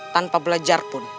tanpa belajar pun